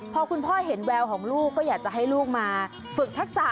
พอคุณพ่อเห็นแววของลูกก็อยากจะให้ลูกมาฝึกทักษะ